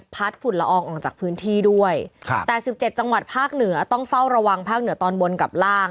ฝุ่นละอองออกจากพื้นที่ด้วยครับแต่๑๗จังหวัดภาคเหนือต้องเฝ้าระวังภาคเหนือตอนบนกับล่าง